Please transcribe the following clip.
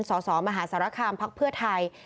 สสมหาสารคามพักเพื่อไทย